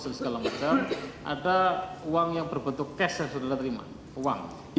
ada uang yang berbentuk cash yang saudara terima